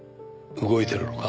動いてるのか？